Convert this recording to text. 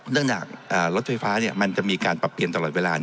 เนื่องจากรถไฟฟ้ามันจะมีการปรับเปลี่ยนตลอดเวลา